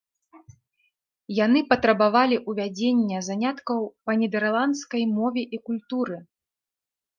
Яны патрабавалі ўвядзення заняткаў па нідэрландскай мове і культуры.